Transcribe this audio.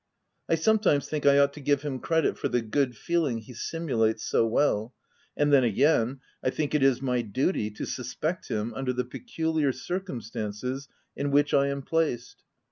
I sometimes think I ought to give him credit for the good feeling he simulates so well ; and then again, I think it is my duty to suspect him under the peculiar circumstances in which I am placed.